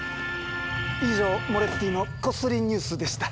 以上「モレッティのこっそりニュース」でした。